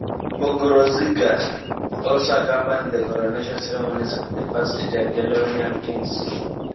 Bogurodzica also accompanied the coronation ceremonies of the first Jagiellonian kings.